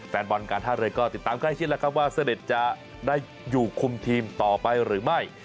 แฟนบอลการท่าเรือก็ติดตามใกล้ชิดแล้วครับว่าเสด็จจะได้อยู่คุมทีมต่อไปหรือไม่